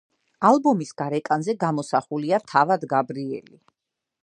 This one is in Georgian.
ალბომის გარეკანზე გამოსახულია თავად გებრიელი.